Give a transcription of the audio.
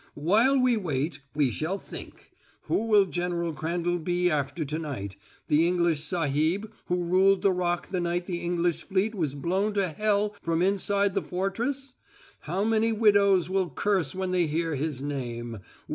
"While we wait we shall think. Who will General Crandall be after to night the English sahib who ruled the Rock the night the English fleet was blown to hell from inside the fortress? How many widows will curse when they hear his name?